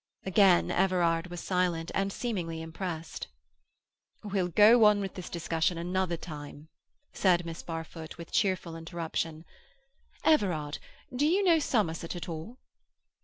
Again Everard was silent, and seemingly impressed. "We'll go on with this discussion another time," said Miss Barfoot, with cheerful interruption. "Everard, do you know Somerset at all?"